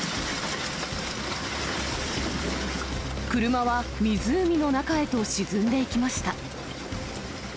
車は湖の中へと沈んでいきました。